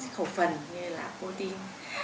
khẩu phần như là protein